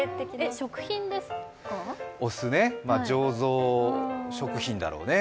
まあね、醸造食品だろうね。